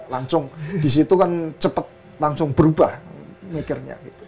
langsung disitu kan cepat langsung berubah mikirnya gitu